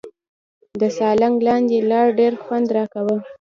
د سالنګ لاندې لار ډېر خوند راکاوه.